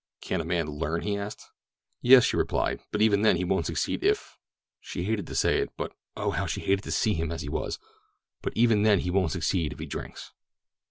"Can't a man learn?" he asked. "Yes," she replied; "but even then he won't succeed if—" she hated to say it, but oh, how she hated to see him as he was—"but even then he won't succeed if he drinks."